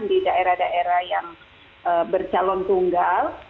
di daerah daerah yang bercalon tunggal